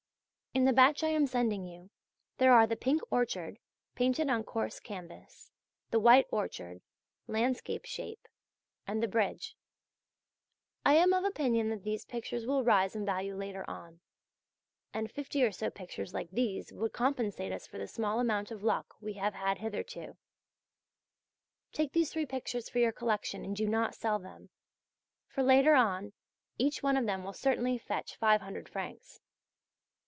In the batch I am sending you there are the "Pink Orchard," painted on coarse canvas, the "White Orchard" (landscape shape); and the "Bridge." I am of opinion that these pictures will rise in value later on. And fifty or so pictures like these would compensate us for the small amount of luck we have had hitherto. Take these three pictures for your collection and do not sell them; for later on each one of them will certainly fetch 500 francs.